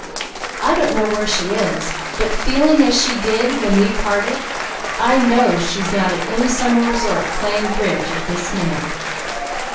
I don't know where she is, but feeling as she did when we parted, I know she's not at any summer resort playing bridge at this minute."